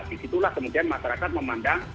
di situlah kemudian masyarakat memandang